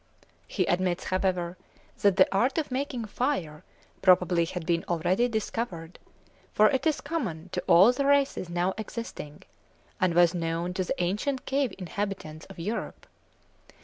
He admits, however, that the art of making fire probably had been already discovered, for it is common to all the races now existing, and was known to the ancient cave inhabitants of Europe.